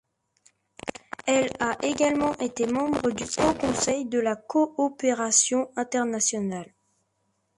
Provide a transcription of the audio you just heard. Elle a également été membre du Haut Conseil de la coopération internationale.